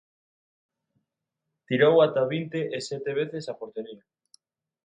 Tirou ata vinte e sete veces a portería.